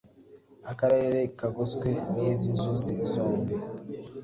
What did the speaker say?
Akarere kagoswe n’izi nzuzi zombi